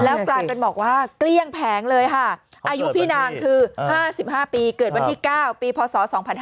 แล้วกลายเป็นบอกว่าเกลี้ยงแผงเลยค่ะอายุพี่นางคือ๕๕ปีเกิดวันที่๙ปีพศ๒๕๕๙